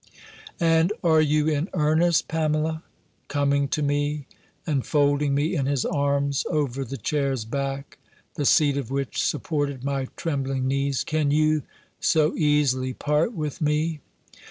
"And are you in earnest, Pamela?" coming to me, and folding me in his arms over the chair's back, the seat of which supported my trembling knees, "Can you so easily part with me?"